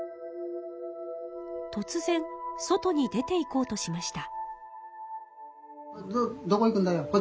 とつぜん外に出ていこうとしました。